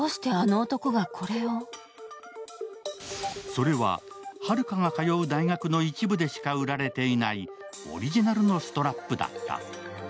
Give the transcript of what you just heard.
それは春風が通う大学の一部でしか売られていないオリジナルのストラップだった。